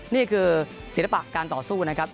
นี่คือศิลปะการต่อสู้นะครับ